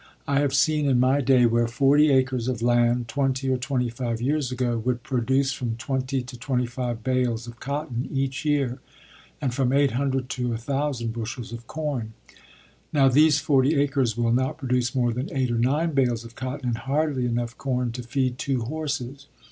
I have seen in my day where forty acres of land twenty or twenty five years ago would produce from twenty to twenty five bales of cotton each year, and from 800 to 1000 bushels of corn. Now, these forty acres will not produce more than eight or nine bales of cotton and hardly enough corn to feed two horses.